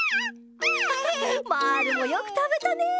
まぁるもよくたべたね！